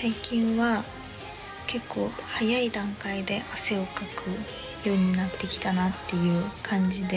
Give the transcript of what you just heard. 最近は結構早い段階で汗をかくようになってきたなっていう感じで。